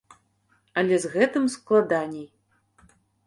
Але з гэтым складаней.